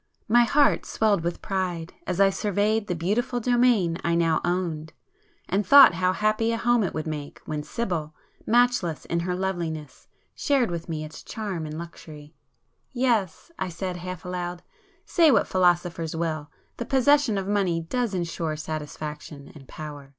My heart swelled with pride as I surveyed the beautiful domain I now owned,—and thought how happy a home it would make when Sibyl, matchless in her loveliness, shared with me its charm and luxury. "Yes,"—I said half aloud—"Say what philosophers will, the possession of money does insure satisfaction and power.